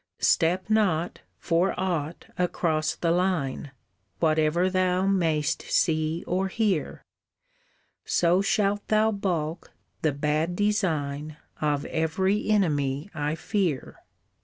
Step not, for aught, across the line, Whatever thou mayst see or hear, So shalt thou balk the bad design Of every enemy I fear.